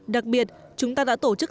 đặc biệt chúng ta đã tổ chức